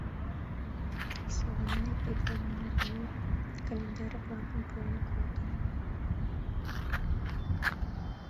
Саванай тудлан марий календарь-влакым пуэн колтен.